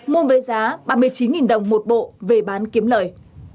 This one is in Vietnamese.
mua với giá ba mươi chín đồng một bộ về bán kiếm lời